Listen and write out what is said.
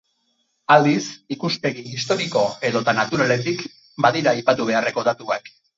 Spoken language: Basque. Aldiz, ikuspegi historiko edota naturaletik badira aipatu beharreko datuak.